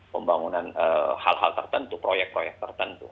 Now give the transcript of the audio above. pembangunan hal hal tertentu proyek proyek tertentu